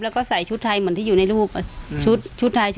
แล้วก็ตื่นเลย